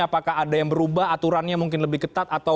apakah ada yang berubah aturannya mungkin lebih ketat